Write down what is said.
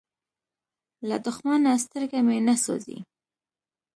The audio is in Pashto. له دښمنه سترګه مې نه سوزي.